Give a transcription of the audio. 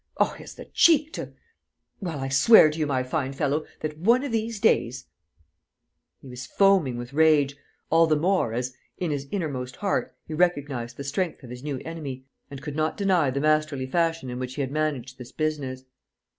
Oh, he has the cheek to...! Well, I swear to you, my fine fellow, that, one of these days...." He was foaming with rage, all the more as, in his innermost heart, he recognized the strength of his new enemy and could not deny the masterly fashion in which he had managed this business.